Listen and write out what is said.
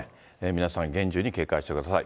皆さん、厳重に警戒してください。